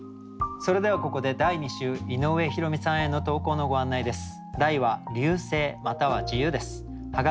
それではここで第２週井上弘美さんへの投稿のご案内です。